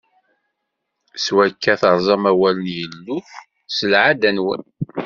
S wakka, terẓam awal n Yillu s lɛadda-nwen.